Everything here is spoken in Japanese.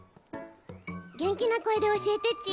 げんきなこえでおしえてち。